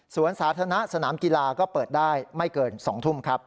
สาธารณะสนามกีฬาก็เปิดได้ไม่เกิน๒ทุ่มครับ